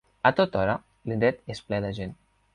A tota hora, l'indret és ple de gent.